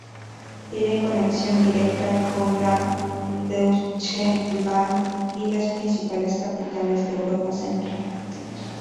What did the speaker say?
Tiene conexión directa con la Deutsche Bahn y las principales capitales de Europa Central.